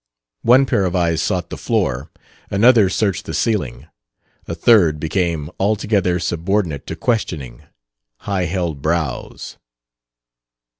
One pair of eyes sought the floor; another searched the ceiling; a third became altogether subordinate to questioning, high held brows.